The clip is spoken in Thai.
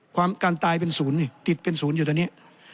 การตายเป็นศูนย์นี่ติดเป็นศูนย์อยู่ตอนนี้